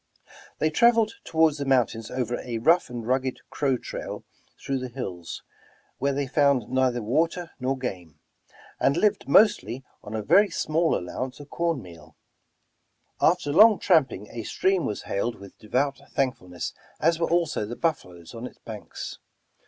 They traveled toward the mountains over a rough 181 The Original John Jacob Astor and rugged Crow trail through the hills, where they found neither water nor game, and lived mostly on a very small allowance of corn meal. After long tramp ing, a stream was hailed with devout thankfulness as were also the buffaloes on its banks.